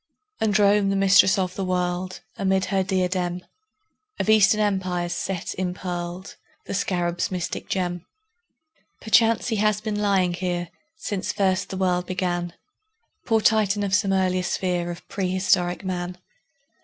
And Rome, the Mistress of the World, Amid her diadem Of Eastern Empires set impearled The Scarab's mystic gem. Perchance he has been lying here Since first the world began, Poor Titan of some earlier sphere Of prehistoric Man!